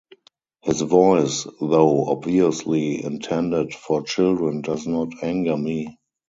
His voice, though obviously intended for children, does not anger me.